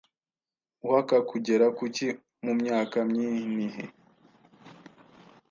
uhaka kugera kuki mumyaka myinhi